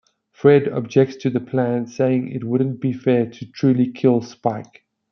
Fred objects to the plan, saying it wouldn't be fair to truly kill Spike.